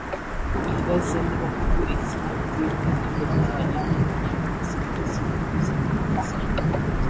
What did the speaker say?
wibaze niba koko izina ugiye guhitamo rijyanye n’ibikorwa na serivisi wifuza kubagezaho